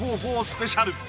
スペシャル！